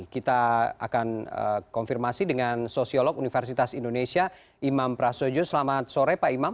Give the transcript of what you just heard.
kita akan konfirmasi dengan sosiolog universitas indonesia imam prasojo selamat sore pak imam